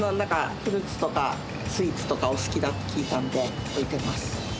フルーツとかスイーツとかお好きだって聞いたので置いてます。